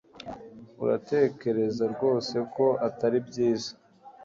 Uratekereza rwose ko atari byiza